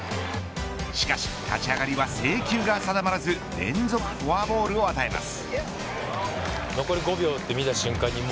しかし立ち上がりは制球が定まらず連続フォアボールを与えます。